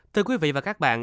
thưa quý vị và các bạn